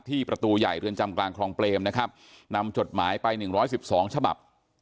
ประตูใหญ่เรือนจำกลางคลองเปรมนะครับนำจดหมายไป๑๑๒ฉบับ